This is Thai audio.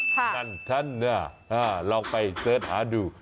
นาธนาลองไปเสิร์ชหาดู